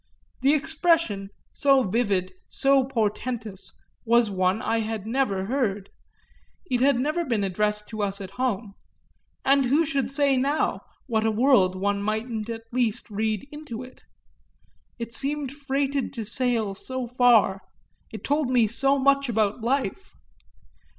The expression, so vivid, so portentous, was one I had never heard it had never been addressed to us at home; and who should say now what a world one mightn't at once read into it? It seemed freighted to sail so far; it told me so much about life.